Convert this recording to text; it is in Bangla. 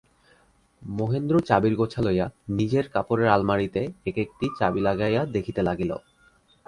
মহেন্দ্র চাবির গোছা লইয়া নিজের কাপড়ের আলমারিতে এক-একটি চাবি লাগাইয়া দেখিতে লাগিল।